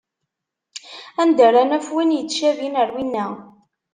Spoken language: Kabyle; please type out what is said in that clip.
Anda ara naf win yettcabin ar winna?